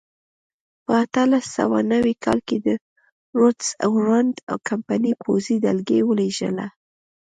په اتلس سوه نوي کال کې د روډز اړوند کمپنۍ پوځي ډلګۍ ولېږله.